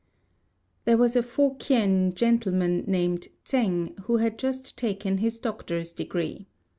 There was a Fohkien gentleman named Tsêng, who had just taken his doctor's degree.